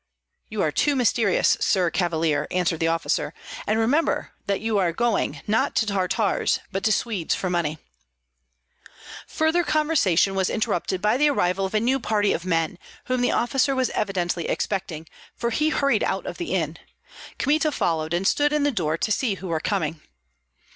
"You are too mysterious. Sir Cavalier," answered the officer, "and remember that you are going, not to Tartars, but to Swedes for money." Further conversation was interrupted by the arrival of a new party of men, whom the officer was evidently expecting, for he hurried out of the inn. Kmita followed and stood in the door to see who were coming.